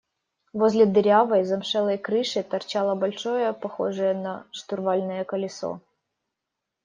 Возле дырявой замшелой крыши торчало большое, похожее на штурвальное, колесо.